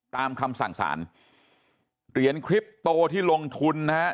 ตามคำสั่งสารเหรียญคลิปโตที่ลงทุนนะฮะ